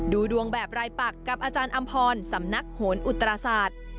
ดูดวงแบบรายปักกับอาจารย์อำพรสำนักโหนอุตราศาสตร์